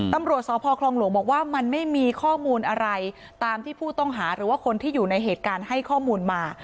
ตำรวจสพคลองหลวงบอกว่ามันไม่มีข้อมูลอะไรตามที่ผู้ต้องหาหรือว่าคนที่อยู่ในเหตุการณ์ให้ข้อมูลมา